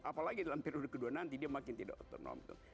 apalagi dalam periode kedua nanti dia makin tidak otonom